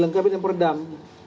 dilengkapi dengan peredam